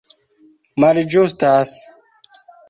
malĝustas